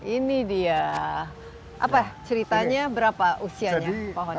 ini dia apa ceritanya berapa usianya pohon ini